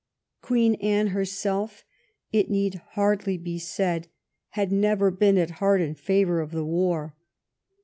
Queen Anne herself, it need hardly be said, had never been at heart in favor of the war.